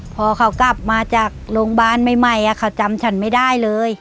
พอเขากลับมาจากโรงพยาบาลใหม่เขาจำฉันไม่ได้เลย